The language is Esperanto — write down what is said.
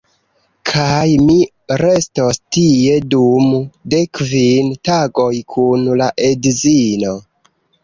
kaj mi restos tie dum de kvin tagoj kun la edzino